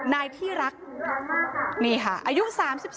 นี่ค่ะอยู่๓๒